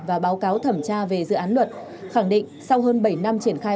và báo cáo thẩm tra về dự án luật khẳng định sau hơn bảy năm triển khai